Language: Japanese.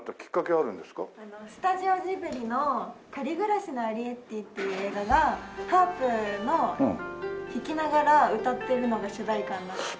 スタジオジブリの『借りぐらしのアリエッティ』っていう映画がハープを弾きながら歌ってるのが主題歌になっていて。